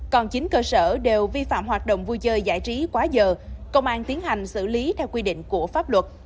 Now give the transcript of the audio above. còn chín cơ sở đều vi phạm hoạt động vui chơi giải trí quá giờ công an tiến hành xử lý theo quy định của pháp luật